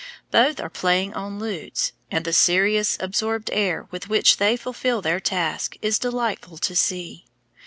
Both are playing on lutes, and the serious, absorbed air with which they fulfil their task is delightful to see.